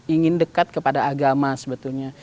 ingin dekat kepada agama sebetulnya